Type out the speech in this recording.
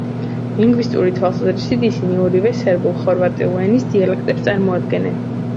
ლინგვისტური თვალსაზრისით ისინი ორივე სერბულ-ხორვატული ენის დიალექტებს წარმოადგენენ.